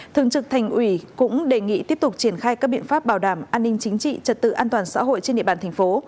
thường trực thành ủy cũng đề nghị tiếp tục triển khai các biện pháp bảo đảm an ninh chính trị trật tự an toàn xã hội trên địa bàn thành phố